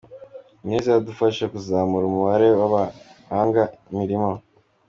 Niyo izadufasha kuzamura umubare w’abahanga imirimo.